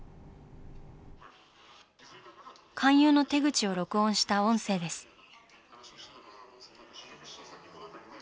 勧誘の手口を録音した音声です。